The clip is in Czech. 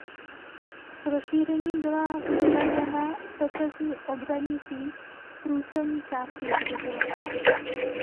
S rozšířením byla vystavěna secesní obřadní síň v průčelní části hřbitova.